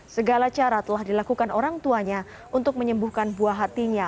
segala cara telah dilakukan orang tuanya untuk menyembuhkan buah hatinya